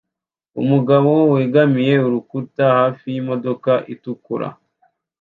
Umugabo wegamiye urukuta hafi yimodoka itukura